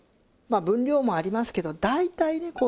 まあ分量もありますけど大体ね